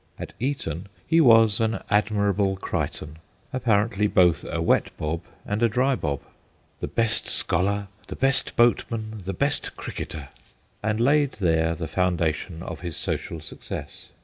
At Eton he was an Admirable Crichton apparently both a wet bob and a dry bob ' the best scholar, the best boat man, the best cricketer/ and laid there the foundation of his social success.